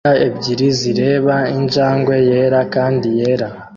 Imbwa ebyiri zireba injangwe yera kandi yera